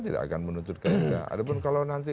tidak akan menuntut kpk ada pun kalau nanti